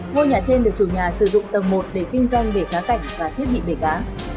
ngôi nhà trên được chủ nhà sử dụng tầng một để kinh doanh bề cá cảnh và thiết bị bể cá